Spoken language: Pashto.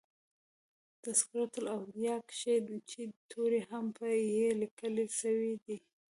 " تذکرةالاولیاء" کښي د "چي" توری هم په "ي" لیکل سوی دئ.